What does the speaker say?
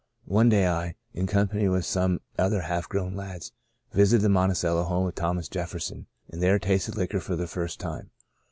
One day I, in company with some other half grown lads, visited the Monticello home of Thomas Jefferson, and there tasted liquor for the first time.